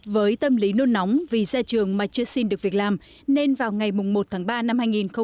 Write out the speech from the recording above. với tâm lý nôn nóng vì ra trường mà chưa xin được việc làm nên vào ngày một tháng ba năm hai nghìn hai mươi